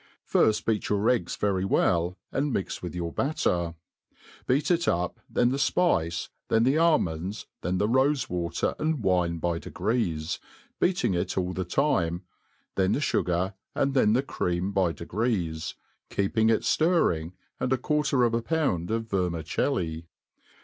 Fir ft beat your eggs very well, and inix with yqur batter $ beat it up, then the fpice, then the al inonds, then the rofe water and wine by degrees, beating it all ti)e time, then the fugar, and then the cream by degrees, keep ing it flitring, and a quarter of a pound of vermicelli.